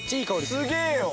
すげえよ。